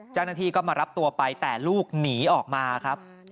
เจ้าหน้าที่ก็มารับตัวไปแต่ลูกหนีออกมาครับ